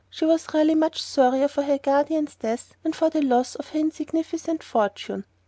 She was really much sorrier for her guardian's death than for the loss of her insignificant fortune.